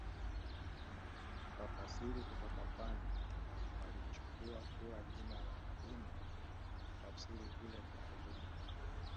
Wafasiri kutoka pwani waliichukua kuwa jina la mlima na kutafsiri vile kwa Wazungu